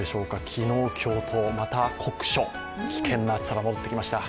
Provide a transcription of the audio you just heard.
昨日、今日とまた酷暑、危険な暑さが戻ってきました。